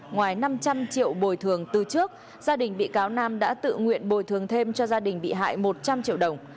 ngoài năm trăm linh triệu bồi thường từ trước gia đình bị cáo nam đã tự nguyện bồi thường thêm cho gia đình bị hại một trăm linh triệu đồng